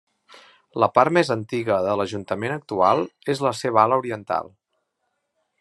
La part més antiga de l'Ajuntament actual és la seva ala oriental.